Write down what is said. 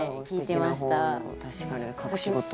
確かに隠し事。